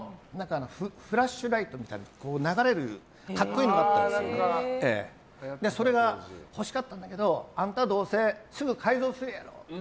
フラッシュライトみたいな流れる格好いいのがあってそれが欲しかったんだけどあんた、どうせすぐ改造するやろって。